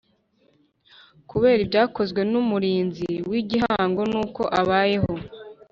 Kureba ibyakozwe n Umurinzi w Igihango n uko abayeho